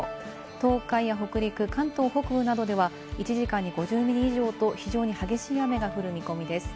東海や北陸、関東北部などでは１時間に５０ミリ以上と非常に激しい雨が降る見込みです。